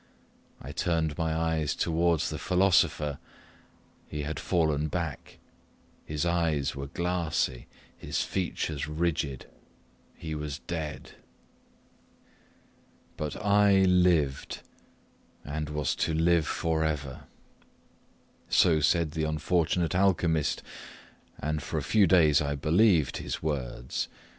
I turned my eyes towards the philosopher; he had fallen back his eyes were glassy his features rigid he was dead! But I lived, and was to live for ever! So said the unfortunate alchymist, and for a few days I believed his words.